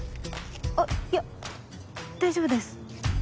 あっいや大丈夫です。